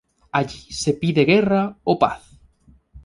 Allí se pide guerra o paz.